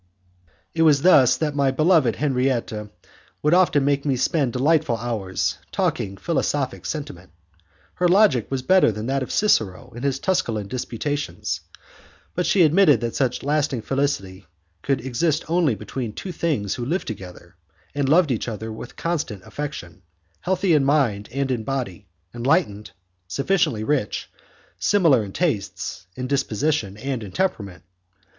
It was thus that my beloved Henriette would often make me spend delightful hours, talking philosophic sentiment. Her logic was better than that of Cicero in his Tusculan Disputations, but she admitted that such lasting felicity could exist only between two beings who lived together, and loved each other with constant affection, healthy in mind and in body, enlightened, sufficiently rich, similar in tastes, in disposition, and in temperament.